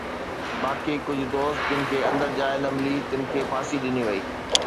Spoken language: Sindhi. باقي ڪجهه دوست جن کي اندر جاءِ نه ملي، تن کي ڦاسي ڏني وئي.